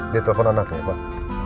dia telepon anaknya pak